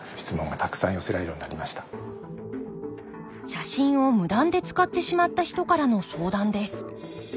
写真を無断で使ってしまった人からの相談です。